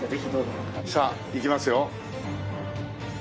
さあいきますよ。